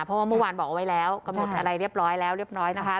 เพราะว่าเมื่อวานบอกเอาไว้แล้วกำหนดอะไรเรียบร้อยแล้วเรียบร้อยนะคะ